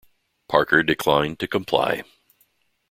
Parker declined to comply.